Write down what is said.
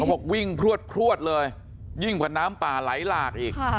บอกวิ่งพลวดเลยยิ่งกว่าน้ำป่าไหลหลากอีก